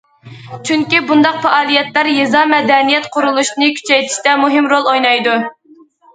چۈنكى بۇنداق پائالىيەتلەر يېزا مەدەنىيەت قۇرۇلۇشىنى كۈچەيتىشتە مۇھىم رول ئوينايدۇ.